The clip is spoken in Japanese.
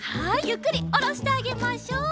ゆっくりおろしてあげましょう。